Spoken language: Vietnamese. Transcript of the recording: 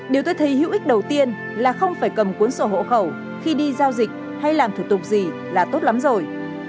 điều tôi thấy hữu ích đầu tiên là không phải cầm cuốn sổ hộ khẩu khi đi giao dịch hay làm thủ tục gì là tốt lắm rồi